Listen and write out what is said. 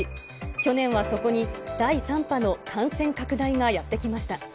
去年はそこに第３波の感染拡大がやって来ました。